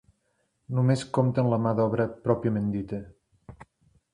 Només compten la mà d'obra pròpiament dita.